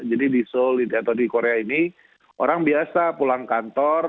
jadi di seoul atau di korea ini orang biasa pulang kantor